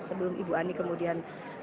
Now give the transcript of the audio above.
sebelum ibu ani kemudian